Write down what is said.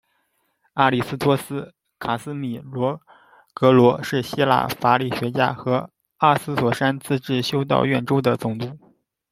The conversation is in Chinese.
阿里斯托斯·卡斯米罗格罗是希腊法理学家和阿索斯山自治修道院州的总督。